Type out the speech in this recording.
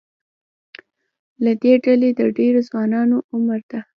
له دې ډلې د ډېرو ځوانانو عمر د